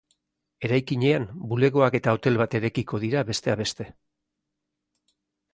Eraikinean, bulegoak eta hotel bat eraikiko dira besteak beste.